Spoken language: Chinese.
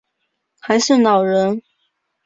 还是老人